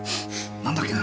何だっけな。